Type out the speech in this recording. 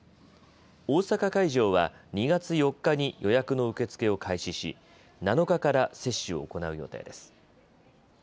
大阪会場は２月４日に予約の受け付けを開始し、７日から接種を行う予定です。